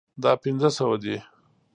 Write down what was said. دا پنځه سوه دي